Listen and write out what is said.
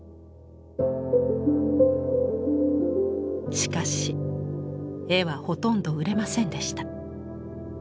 しかし絵はほとんど売れませんでした。